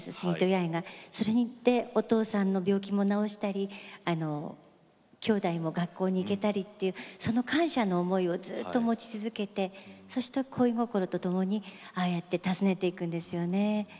八重がそれによってお父さんの病気も治したりきょうだいも学校に行けたりその感謝の思いをずっと持ち続けて恋心とともにああやって訪ねていくんですよね。